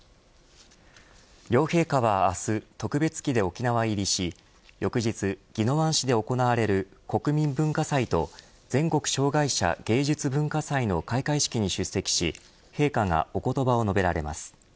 両陛下は明日特別機で沖縄入りし翌日、宜野湾市で行われる国民文化祭と全国障害者芸術・文化祭の開会式に出席し陛下がお言葉を述べられます。